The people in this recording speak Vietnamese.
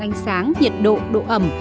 ánh sáng nhiệt độ độ ẩm